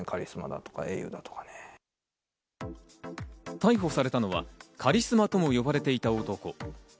逮捕されたのはカリスマとも呼ばれていた男。